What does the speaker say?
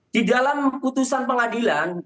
di dalam putusan pengadilan